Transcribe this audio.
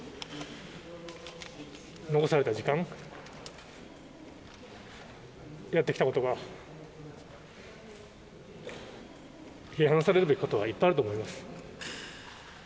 残された時間、やってきたことが批判されることはいっぱいあると思います。